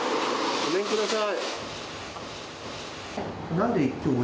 ごめんください。